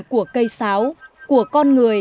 của cây sáo của con người